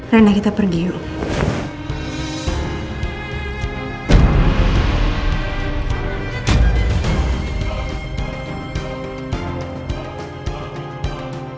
renek kita pergi yuk